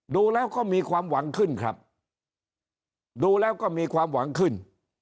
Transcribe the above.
ดูแล้วก็มีความหวังขึ้นครับดูแล้วก็มีความหวังขึ้น